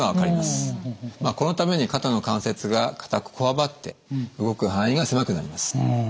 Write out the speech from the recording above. まあこのために肩の関節が硬くこわばって動く範囲が狭くなります。